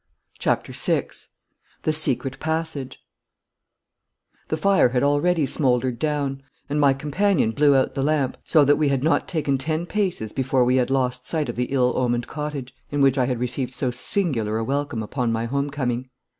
CHAPTER VI THE SECRET PASSAGE The fire had already smouldered down, and my companion blew out the lamp, so that we had not taken ten paces before we had lost sight of the ill omened cottage, in which I had received so singular a welcome upon my home coming.